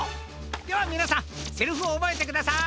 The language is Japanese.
ではみなさんセリフをおぼえてください。